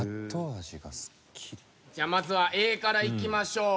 じゃあまずはＡからいきましょう。